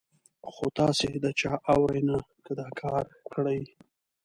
خو تاسې د چا اورئ نه، که دا کار کړئ.